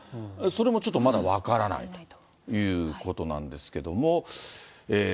それもちょっとまだ分からないということなんですけども。